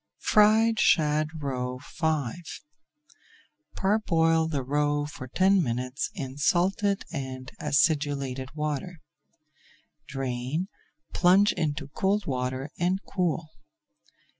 FRIED SHAD ROE V Parboil the roe for ten minutes in salted and acidulated water. Drain, plunge into cold water, and cool.